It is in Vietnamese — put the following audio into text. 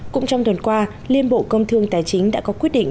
cũng trong tuần qua liên bộ công thương tài chính đã có quyết định